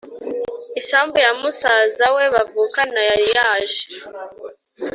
isambu ya musaza we bavukana yari yaje